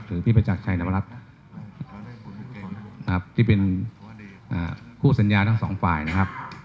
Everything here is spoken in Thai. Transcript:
พี่ประจักรชัยนวรัฐนะครับที่เป็นคู่สัญญาทั้งสองฝ่ายนะครับ